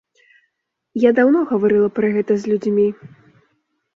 Я даўно гаварыла пра гэта з людзьмі.